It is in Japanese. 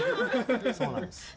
そうなんです。